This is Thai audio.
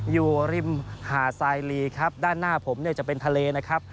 อยู่ริมหาดสายลีครับด้านหน้าผมเนี่ยจะเป็นทะเลนะครับ